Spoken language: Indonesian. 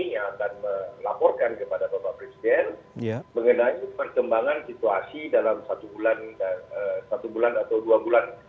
yang akan melaporkan kepada bapak presiden mengenai perkembangan situasi dalam satu bulan atau dua bulan